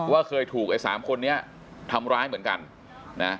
เคยถูกไอ้สามคนนี้ทำร้ายเหมือนกันนะ